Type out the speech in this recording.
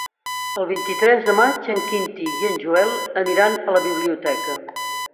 El vint-i-tres de maig en Quintí i en Joel aniran a la biblioteca.